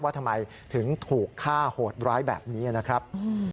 ว่าทำไมถึงถูกฆ่าโหดร้ายแบบนี้นะครับ